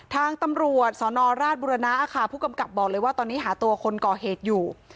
ทางตำรวจสนราชบุรณะค่ะผู้กำกับบอกเลยว่าตอนนี้หาตัวคนก่อเหตุอยู่